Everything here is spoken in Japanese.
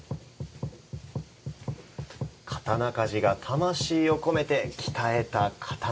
刀鍛冶が魂を込めて鍛えた刀。